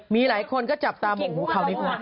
มีหลายคนก็จับตามหัวเขานิดหนึ่ง